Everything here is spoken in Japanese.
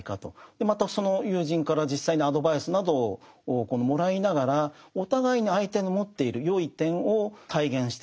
またその友人から実際にアドバイスなどをもらいながらお互いに相手の持っている善い点を体現していく。